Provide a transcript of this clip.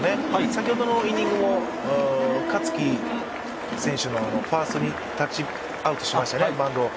先ほどのイニングも香月選手のファーストにタッチアウトしましたよね、バントを。